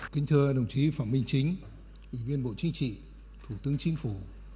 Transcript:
kính thưa đồng chí phạm minh chính ủy viên bộ chính trị thủ tướng chính phủ